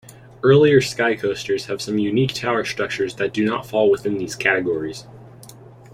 Earlier Skycoasters have some unique tower structures that do not fall within these categories.